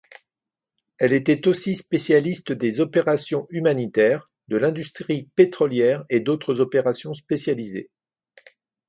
Elle était aussi spécialiste des opérations humanitaires, de l'industrie pétrolière et d'autres opérations spécialisées.